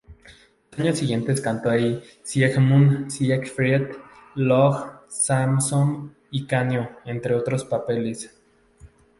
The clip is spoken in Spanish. Los años siguientes cantó allí Siegmund, Siegfried, Loge, Samson y Canio, entre otros papeles.